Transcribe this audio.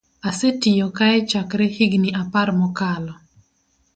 Asetiyo kae chakre higni apar mokalo